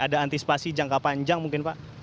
ada antisipasi jangka panjang mungkin pak